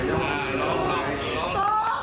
น้องน้องน้องน้อง